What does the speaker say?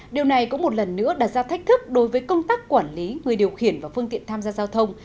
điều này cũng một lần nữa đặt ra thách thức đối với công tác quản lý người điều khiển và phương tiện tham gia giao thông